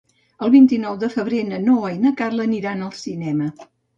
El vint-i-nou de febrer na Noa i na Carla aniran al cinema.